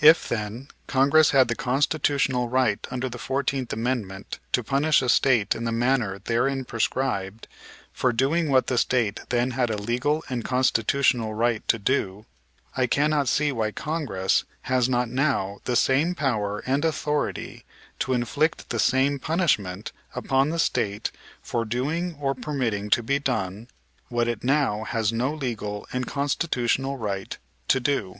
If, then, Congress had the constitutional right under the Fourteenth Amendment to punish a State in the manner therein prescribed, for doing what the State then had a legal and constitutional right to do, I cannot see why Congress has not now the same power and authority to inflict the same punishment upon the State for doing or permitting to be done what it now has no legal and constitutional right to do.